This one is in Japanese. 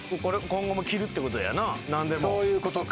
そういうことか。